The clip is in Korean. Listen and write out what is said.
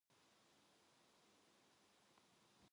아따, 젠장맞을 년